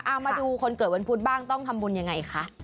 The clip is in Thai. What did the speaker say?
เอามาดูคนเกิดวันพุธบ้างต้องทำบุญยังไงคะ